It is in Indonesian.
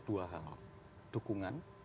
dua hal dukungan